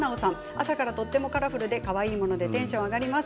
朝からとてもカラフルで、かわいいものでテンション上がります。